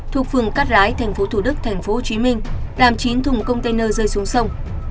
thuộc phường cát rái tp thủ đức tp hcm làm chín thùng container rơi xuống sông